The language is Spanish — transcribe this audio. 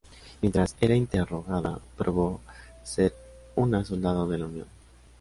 Mientras era interrogada, probó ser una soldado de la Unión.